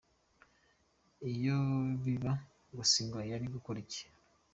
Iyo biba Gasigwa yari gukora iki?.